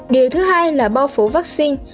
điều thứ hai là bao phủ vaccine